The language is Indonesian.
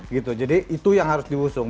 gitu jadi itu yang harus diusung